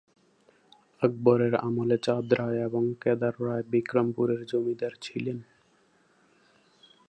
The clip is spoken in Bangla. আকবরের আমলে চাঁদ রায় এবং কেদার রায় বিক্রমপুরের জমিদার ছিলেন।